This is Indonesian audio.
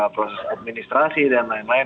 proses administrasi dan lain lain